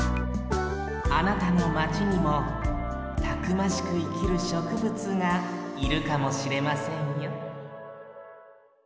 あなたのマチにもたくましくいきるしょくぶつがいるかもしれませんよ